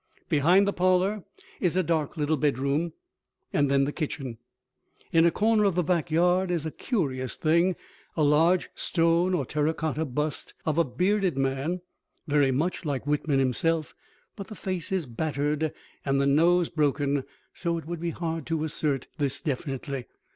Behind the parlor is a dark little bedroom, and then the kitchen. In a corner of the back yard is a curious thing: a large stone or terra cotta bust of a bearded man, very much like Whitman himself, but the face is battered and the nose broken so it would be hard to assert this definitely.